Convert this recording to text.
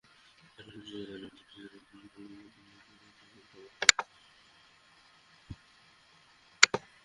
ক্যানভাসে ডিজিটাল ইমেজে বিশ্বাসী আমেরিকান শিল্পী মার্গি বেথ লাবাদি এঁকেছেন সময়ের ছবি।